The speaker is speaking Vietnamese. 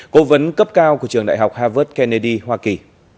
cố vấn cấp cao của trường đại học harvard kennedy hoa kỳ